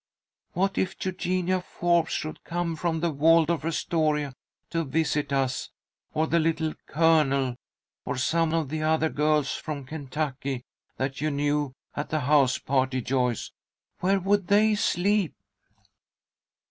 What if Eugenia Forbes should come from the Waldorf Astoria to visit us, or the Little Colonel, or some of the other girls from Kentucky, that you knew at the house party, Joyce? Where would they sleep?"